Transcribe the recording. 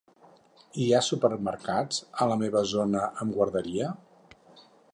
Hi ha supermercats a la meva zona amb guarderia?